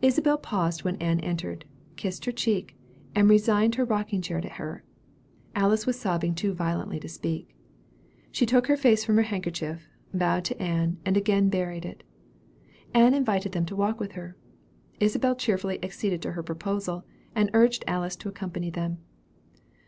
Isabel paused when Ann entered, kissed her cheek, and resigned her rocking chair to her. Alice was sobbing too violently to speak. She took her face from her handkerchief, bowed to Ann, and again buried it. Ann invited them to walk with her. Isabel cheerfully acceded to her proposal, and urged Alice to accompany them.